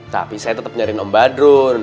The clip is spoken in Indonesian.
tapi saya tetep nyariin om badun